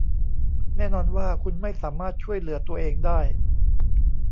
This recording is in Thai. แน่นอนว่าคุณไม่สามารถช่วยเหลือตัวเองได้